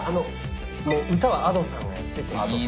歌はＡｄｏさんがやってて。